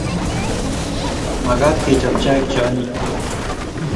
Makat kechop chaik che anyiny